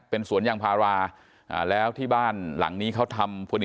เป็นสวนยางพาราแล้วที่บ้านหลังนี้เขาทำพอดี